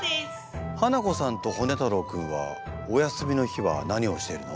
ハナコさんとホネ太郎君はお休みの日は何をしているの？